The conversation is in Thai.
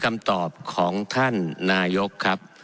คำตอบของท่านนายกครับ